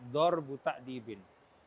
dor buta dibin